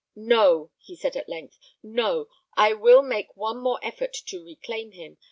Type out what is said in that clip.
"No!" he said, at length "No. I will make one more effort to reclaim him.